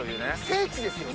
聖地ですよ